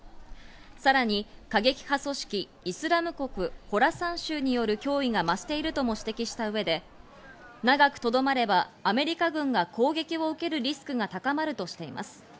さらに過激派組織イスラム国・ホラサン州による脅威が増しているとも指摘した上で、長くとどまれば、アメリカ軍が攻撃を受けるリスクが高まるとしています。